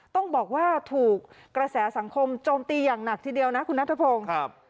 ต้องบอกว่าถูกกระแสสังคมโจมตีอย่างหนักทีเดียวนะคุณนัทพงศ์